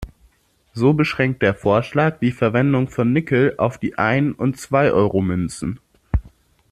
So beschränkt der Vorschlag die Verwendung von Nickel auf die Ein- und Zweieuromünzen.